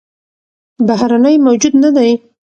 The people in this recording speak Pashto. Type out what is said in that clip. بهرنى موجود نه دى